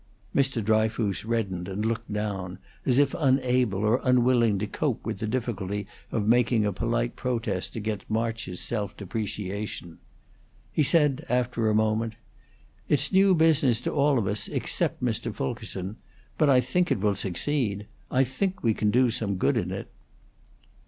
Mr. Dryfoos reddened and looked down, as if unable or unwilling to cope with the difficulty of making a polite protest against March's self depreciation. He said, after a moment: "It's new business to all of us except Mr. Fulkerson. But I think it will succeed. I think we can do some good in it."